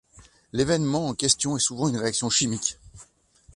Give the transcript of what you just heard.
L'évènement en question est souvent une réaction chimique.